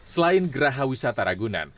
selain geraha wisata ragunan